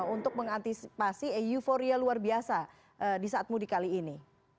untuk mengantisipasi euforia luar biasa di saat mudik kali ini